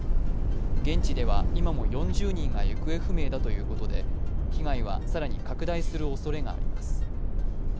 現地では今も４０人が行方不明だということで被害は更に拡大するおそれがあります。